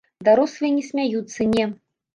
Дарослыя не смяюцца, не.